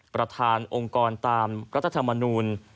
ประธานองค์กรตามรัฐธรรมนูล